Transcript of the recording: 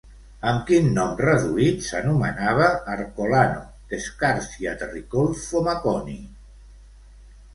Amb quin nom reduït s'anomenava Arcolano de Squarcia de Riccolfo Maconi?